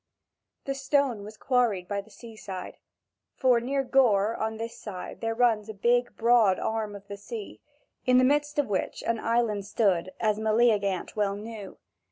The stone was quarried by the seaside; for near Gorre on this side there runs a big broad arm of the sea, in the midst of which an island stood, as Meleagant well knew.